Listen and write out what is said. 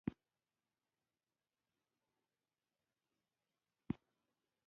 • شنې سترګې د هغوی لپاره غوره ښکاري چې د طبیعت سره اړیکه لري.